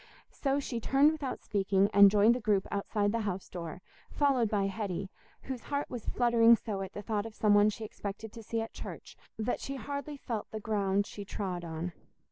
So she turned without speaking, and joined the group outside the house door, followed by Hetty, whose heart was fluttering so at the thought of some one she expected to see at church that she hardly felt the ground she trod on.